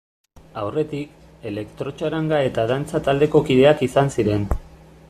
Aurretik, elektrotxaranga eta dantza taldeko kideak izan ziren.